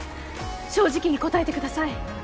正直に答えてください。